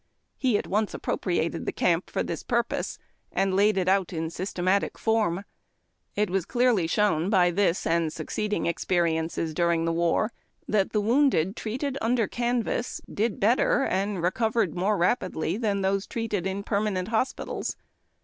He at once appropriated the camp for this purpose, and laid it out in systematic form. It was clearly shown by this and succeeding experiences during the war that the wounded treated under canvas did better and recovered more rapidly than those treated in permanent hospitals.